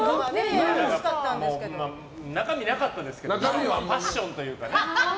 中身はなかったですけどパッションというかね